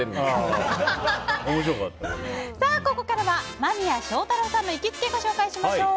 ここからは間宮祥太朗さんの行きつけをご紹介しましょう。